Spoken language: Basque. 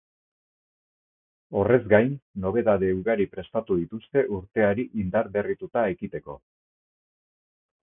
Horrez gain, nobedade ugari prestatu dituzte urteari indarberrituta ekiteko.